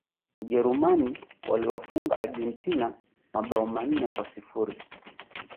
Ujerumani waliwafunga Argentina mabao manne kwa sifuri